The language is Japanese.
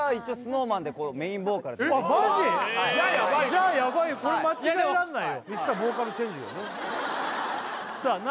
じゃヤバいよ、これ間違えらんないよ。